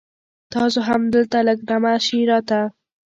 تاسو هم دلته لږ دمه شي را ته